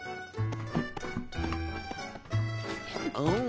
うん。